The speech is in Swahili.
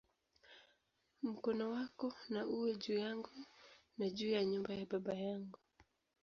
Mkono wako na uwe juu yangu, na juu ya nyumba ya baba yangu"!